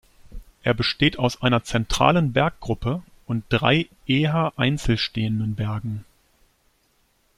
Er besteht aus einer zentralen Berggruppe und drei eher einzeln stehenden Bergen.